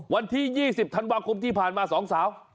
วันที่๒๐ธันวาคมที่ผ่านมาสองสาว